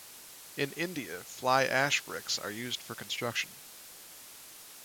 In India, fly ash bricks are used for construction.